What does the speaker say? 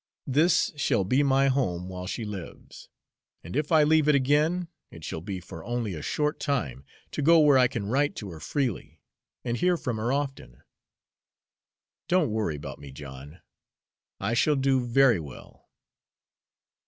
This shall be my home while she lives, and if I leave it again, it shall be for only a short time, to go where I can write to her freely, and hear from her often. Don't worry about me, John, I shall do very well."